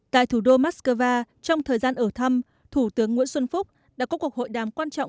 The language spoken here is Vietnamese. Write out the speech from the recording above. tại thủ đô moscow trong thời gian ở thăm thủ tướng nguyễn xuân phúc đã có cuộc hội đàm quan trọng